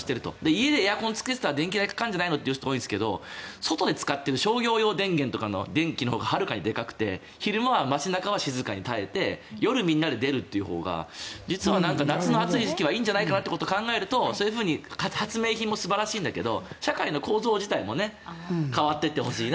家でエアコンをつけていたら電気代がかかるんじゃないのって人もいるんですが外で使う商業用電源とかの電気のほうがはるかに大きくて昼間は静かに耐えて夜みんなで出るというほうが夏の暑い時期はいいんじゃないかなと考えるとそういうふうに発明品も素晴らしいんだけど社会の構造自体も変わってほしい。